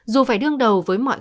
dù phải đương đầu với mọi